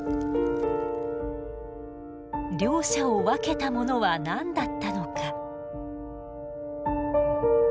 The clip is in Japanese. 両者を分けたものは何だったのか？